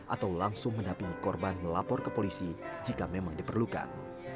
atau langsung mendampingi korban melapor ke polisi jika memang diperlukan